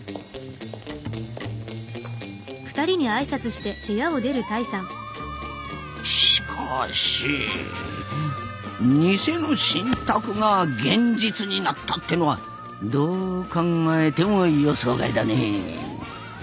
しかし偽の神託が現実になったってのはどう考えても予想外だね。